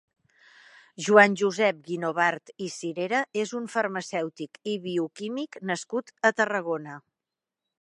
Joan Josep Guinovart i Cirera és un farmacèutic i bioquímic nascut a Tarragona.